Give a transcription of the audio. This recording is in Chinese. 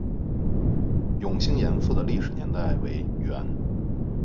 永兴岩寺的历史年代为元。